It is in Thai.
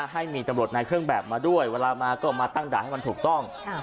ให้มีตำรวจในเครื่องแบบมาด้วยเวลามาก็มาตั้งด่านให้มันถูกต้อง